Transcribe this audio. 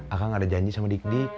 akang ada janji sama dik dik